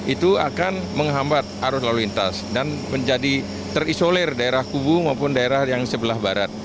itu akan menghambat arus lalu lintas dan menjadi terisolir daerah kubu maupun daerah yang sebelah barat